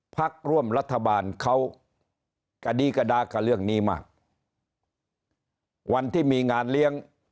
พักร่วมรัฐบาลเขากระดีกระดากับเรื่องนี้มากวันที่มีงานเลี้ยง